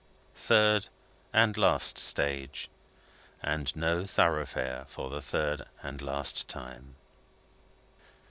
Third and last stage, and No Thoroughfare for the third and last time.